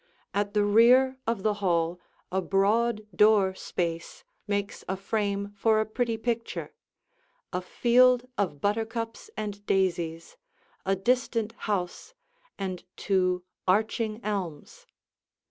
At the rear of the hall a broad door space makes a frame for a pretty picture, a field of buttercups and daisies, a distant house, and two arching elms.